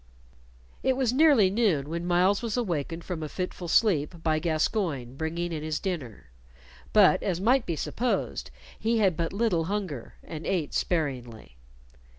It was nearly noon when Myles was awakened from a fitful sleep by Gascoyne bringing in his dinner, but, as might be supposed, he had but little hunger, and ate sparingly.